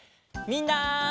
みんな！